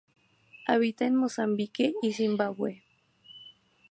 Habita en Mozambique y Zimbabue.